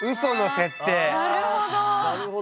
なるほど！